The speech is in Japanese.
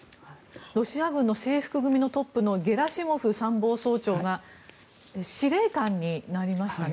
ロシア軍の制服組トップのゲラシモフ参謀総長が司令官になりましたね。